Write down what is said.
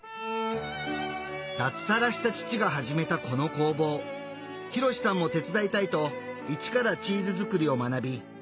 脱サラした父が始めたこの工房裕志さんも手伝いたいといちからチーズ作りを学び